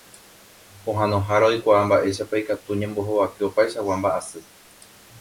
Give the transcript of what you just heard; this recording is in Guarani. Pohãnohára oikuaa mba'éichapa ikatu ñambohovake opaichagua mba'asy.